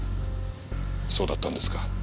そうだったんですか。